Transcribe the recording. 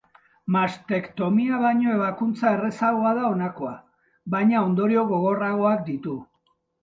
Mastektomia baino ebakuntza errazagoa da honakoa, baina ondorio gogorragoak ditu.